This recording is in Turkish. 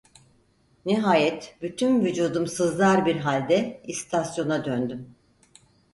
Nihayet, bütün vücudum sızlar bir halde, istasyona döndüm…